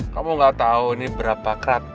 kamu gak tahu ini berapa kerat